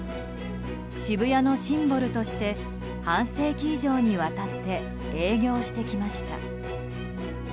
渋谷のシンボルとして半世紀以上にわたって営業してきました。